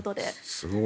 すごい。